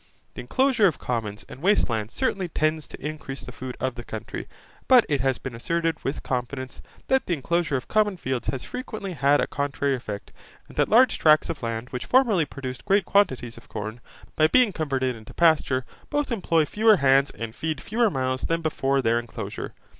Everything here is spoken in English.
The enclosure of commons and waste lands certainly tends to increase the food of the country, but it has been asserted with confidence that the enclosure of common fields has frequently had a contrary effect, and that large tracts of land which formerly produced great quantities of corn, by being converted into pasture both employ fewer hands and feed fewer mouths than before their enclosure.